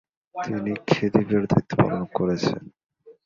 তিনি খেদিভের দায়িত্ব পালন করেছেন।